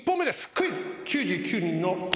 クイズ。